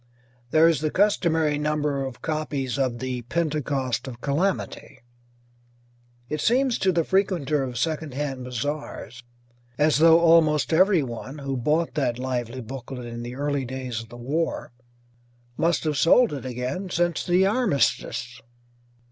There is the customary number of copies of "The Pentecost of Calamity"; it seems to the frequenter of second hand bazaars as though almost everybody who bought that lively booklet in the early days of the war must have sold it again since the armistice.